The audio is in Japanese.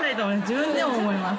自分でも思います